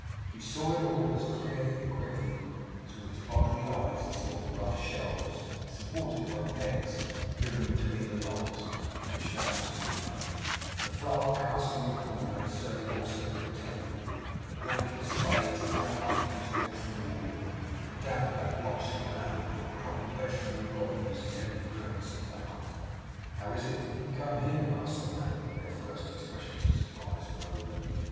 He saw it all as clearly and as quickly, as with his bodily eyes he saw the rough shelves supported by pegs driven between the logs, of which the house was made; the flour cask in the corner, serving also for a table; the blankets, spades, and other articles against the walls; the damp that blotched the ground; or the crop of vegetable rottenness in every crevice of the hut. 'How is it that you have come here?' asked the man, when their first expressions of surprise were over.